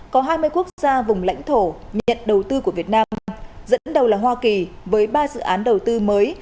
có hai mươi quốc gia vùng lãnh thổ nhận đầu tư của việt nam dẫn đầu là hoa kỳ với ba dự án đầu tư mới